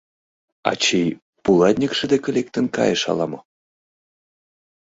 Ачий пулатньыкше деке лектын кайыш ала-мо?..